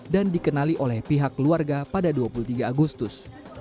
dan dikenali oleh pihak keluarga pada dua puluh tiga agustus